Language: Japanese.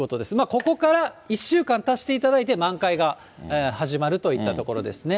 ここから１週間足していただきまして、満開が始まるといったところですね。